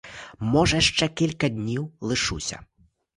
Може, ще на кілька днів лишуся.